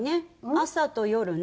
朝と夜ね。